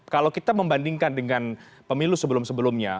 kalau kita membandingkan dengan pemilu sebelum sebelumnya